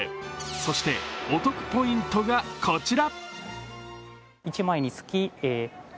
そして、お得ポイントがこちら。